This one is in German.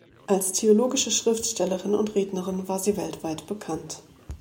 Als theologische Schriftstellerin und Rednerin war sie weltweit bekannt.